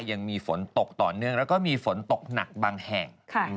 ยังมีฝนตกต่อเนื่องแล้วก็มีฝนตกหนักบางแห่ง